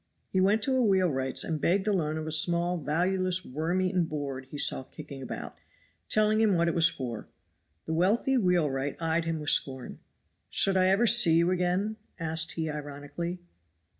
He went to a wheelwright's and begged the loan of a small valueless worm eaten board he saw kicking about, telling him what it was for. The wealthy wheelwright eyed him with scorn. "Should I ever see it again?" asked he ironically.